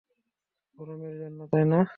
গরমের জন্য, তাই না?